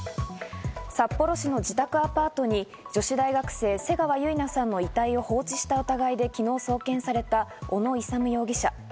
札幌市の自宅アパートに女子大学生・瀬川結菜さんの遺体を放置した疑いで昨日送検された小野勇容疑者。